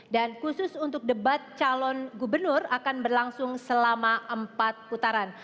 dan khusus untuk debat calon gubernur akan berlangsung selama empat putaran